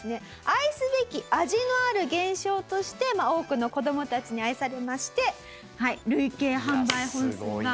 愛すべき味のある現象として多くの子どもたちに愛されまして。